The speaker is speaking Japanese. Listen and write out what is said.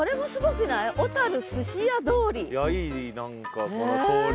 いい何かこの通りが。